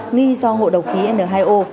nghi do hộ độc khí n hai o